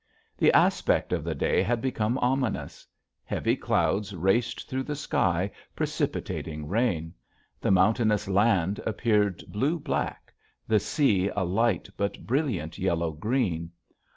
The aspect of the day had become ominous. Heavy clouds raced through the sky precipitating rain. The mountainous land appeared blue black, the sea a light but brilliant yellow green.